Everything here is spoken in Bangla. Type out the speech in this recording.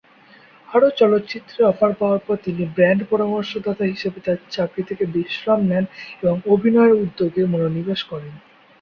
আরো চলচ্চিত্রের অফার পাওয়ার পর, তিনি ব্র্যান্ড পরামর্শদাতা হিসাবে তার চাকরি থেকে বিশ্রাম নেন এবং অভিনয়ের উদ্যোগে মনোনিবেশ করেন।